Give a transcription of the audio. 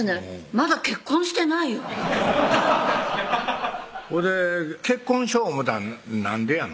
まだ結婚してないよほいで結婚しよう思たんなんでやの？